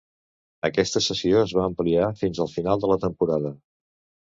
Aquesta cessió es va ampliar fins al final de la temporada.